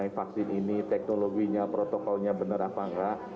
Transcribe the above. vaksin ini teknologinya protokolnya benar apa enggak